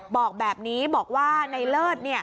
บอกแบบนี้บอกว่าในเลิศ